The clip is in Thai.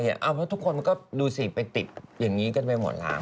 เพราะทุกคนก็ดูสิไปติดอย่างนี้กันไปหมดแล้ว